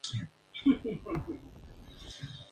Algunas salas del palacio se utilizan actualmente como aulas.